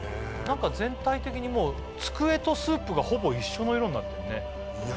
何か全体的にもう机とスープがほぼ一緒の色になってるね